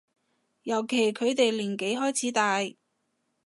尤其佢哋年紀開始大